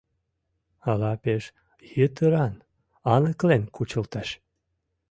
Ала пеш йытыран, аныклен кучылтеш.